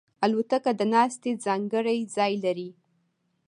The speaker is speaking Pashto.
الوتکه د ناستې ځانګړی ځای لري.